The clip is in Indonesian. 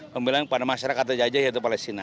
pembelaan kepada masyarakat terjajah yaitu palestina